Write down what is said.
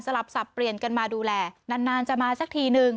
ลับสับเปลี่ยนกันมาดูแลนานจะมาสักทีนึง